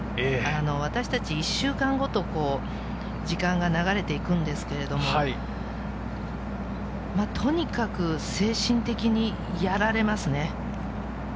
私たちは１週間ごとに時間が流れていくんですけれど、とにかく精神的にやられますね。